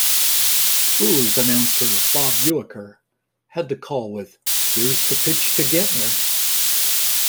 Brewers announcer Bob Uecker had the call with, "Here's the pitch to Gantner.